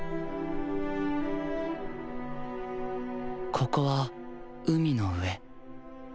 ここは海の上。